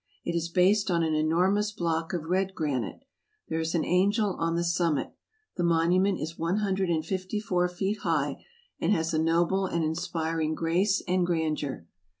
It is based on an enormous block of red granite. There is an angel on the summit. The monument is one hundred and fifty four feet high, and has a noble and inspiring grace and grandeur.